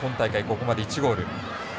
ここまで１ゴール。